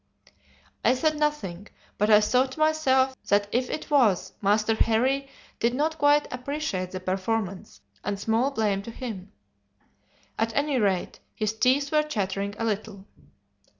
"I said nothing, but I thought to myself that if it was, Master Harry did not quite appreciate the performance, and small blame to him. At any rate, his teeth were chattering a little.